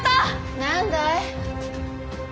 何だい？